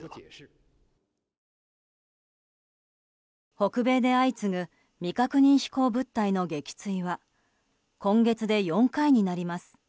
北米で相次ぐ未確認飛行物体の撃墜は今月で４回になります。